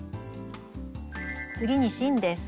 次に芯です。